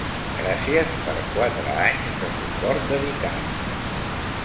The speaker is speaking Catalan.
Gràcies per quatre anys de suport dedicat.